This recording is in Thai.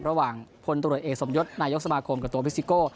ระหว่างพลตรวจเอกสมยศนายกสมาคมกับตัวพิซิโก้